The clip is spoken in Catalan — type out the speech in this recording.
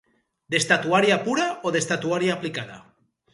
D'estatuària pura o d'estatuària aplicada?